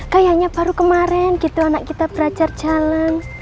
kayaknya baru kemarin gitu anak kita belajar jalan